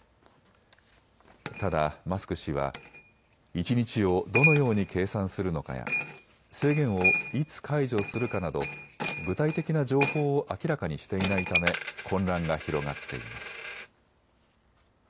ただマスク氏は一日をどのように計算するのかや制限をいつ解除するかなど具体的な情報を明らかにしていないため混乱が広がっています。